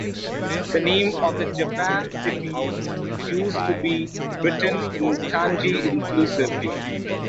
The names of Japan's cities used to be written in Kanji exclusively.